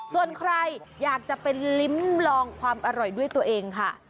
ส่วนใครอยากจะไปลิ้มลองความอร่อยด้วยตัวเองค่ะ